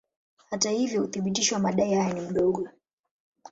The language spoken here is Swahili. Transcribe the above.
Hata hivyo uthibitisho wa madai hayo ni mdogo.